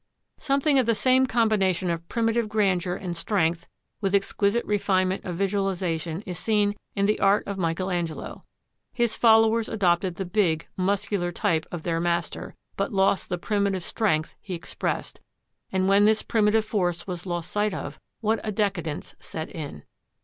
Something of the same combination of primitive grandeur and strength with exquisite refinement of visualisation is seen in the art of Michael Angelo. His followers adopted the big, muscular type of their master, but lost the primitive strength he expressed; and when this primitive force was lost sight of, what a decadence set in!